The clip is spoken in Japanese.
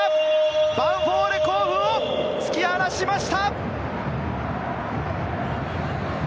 ヴァンフォーレ甲府を突き放しました！